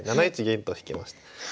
７一銀と引きました。